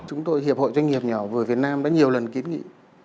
chúng tôi hiệp hội doanh nghiệp nhỏ vừa việt nam đã nhiều lần kiến nghị